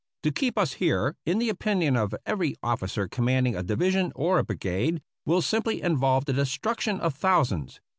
To keep us here, in the opinion of every officer commanding a division or a brigade, will simply involve the destruction of thousands.